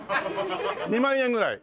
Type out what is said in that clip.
２万円ぐらい？